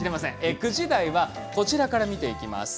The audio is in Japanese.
９時台はこちらから見ていきます。